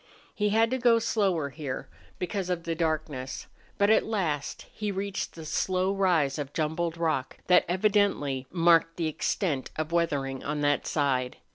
He had to go slower here, because of the darkness. But at last he reached the slow rise of jumbled rock that evidently marked the extent of weathering on that side.